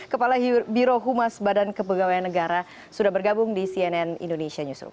kepala birohumas badan kepegawaian negara sudah bergabung di cnn indonesia newsroom